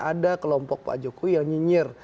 ada kelompok pak jokowi yang nyinyir